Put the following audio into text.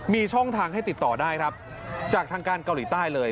มีช่องทางให้ติดต่อได้ครับจากทางการเกาหลีใต้เลย